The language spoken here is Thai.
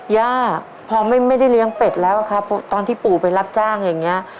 ย่าพอไม่ได้เลี้ยงเป็ดแล้วอะครับตอนที่ปู่ไปรับจ้างอย่างนี้